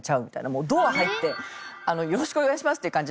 もうドア入って「よろしくお願いします」っていう感じじゃないですよね。